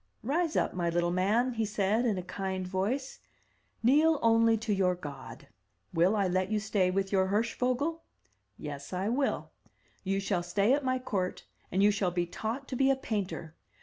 "Rise up, my little man,'* he said, in a kind voice; "kneel only to your God. Will I let you stay with your Hirsch vogel? Yes, I will; you shall stay at my court, and you shall be taught to be a painter.